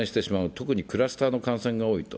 特にクラスターの感染が多いと。